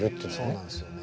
そうなんですよね。